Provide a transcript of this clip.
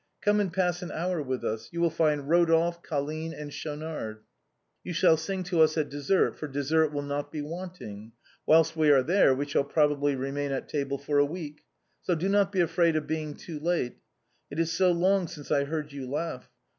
Come and pass an hour with us. You will find Eodolphe, Colline and Schaunard. You shall sing to us at dessert, for des sert will not be wanting. Whilst we are there we shall probably remain at table for a week. So do not be afraid of being too late. It is so long since I heard you laugh.